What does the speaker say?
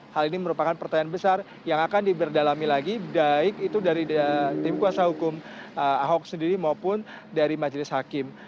hal ini merupakan pertanyaan besar yang akan diberdalami lagi baik itu dari tim kuasa hukum ahok sendiri maupun dari majelis hakim